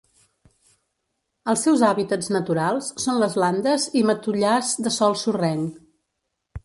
Els seus hàbitats naturals són les landes i matollars de sòl sorrenc.